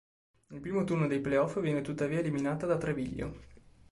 Nel primo turno dei play-off viene tuttavia eliminata da Treviglio.